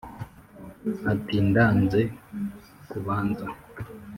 ati: ndanze kubanza